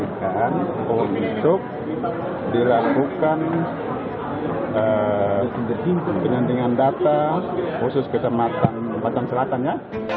dilakukan penyandingan data khusus ke tempatan selatan ya